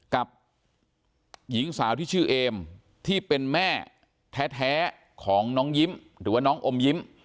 กับหญิงสาวที่ชื่อเอมที่เป็นแม่แท้ของน้องยิ้มหรือว่าน้องอมยิ้ม